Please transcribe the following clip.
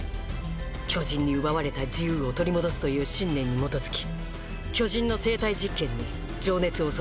巨人に奪われた自由を取り戻すという信念に基づき巨人の生体実験に情熱を注いでいます。